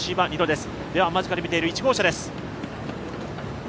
では、間近で見ている１号車です。